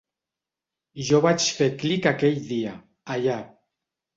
Jo vaig fer clic aquell dia, allà.